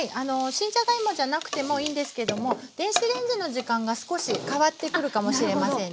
新じゃがいもじゃなくてもいいんですけども電子レンジの時間が少し変わってくるかもしれませんね。